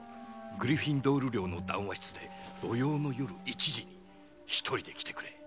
「グリフィンドール寮の談話室で土曜の夜１時に１人で来てくれ」